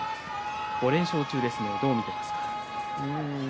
５連勝中です、どう見ていますか。